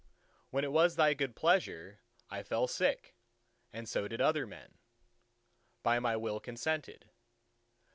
When it was Thy good pleasure, I fell sick—and so did other men: by my will consented.